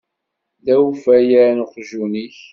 D awfayan uqjun-ik.